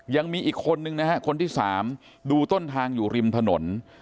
ยังมีอีกคนนึงนะฮะคนที่๓ดูต้นทางอยู่ริมถนน